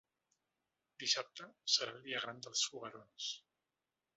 Dissabte serà el dia gran dels foguerons.